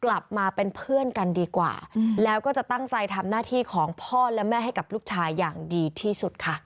กลับมาเป็นเพื่อนกันดีกว่าแล้วก็จะตั้งใจทำหน้าที่ของพ่อและแม่ให้กับลูกชายอย่างดีที่สุดค่ะ